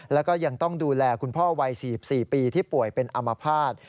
แล้วก็ยังต้องดูแลคุณพ่อวัย๔๔ปีที่ป่วยเป็นอามภาษณ์